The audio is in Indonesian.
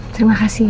terima kasih ya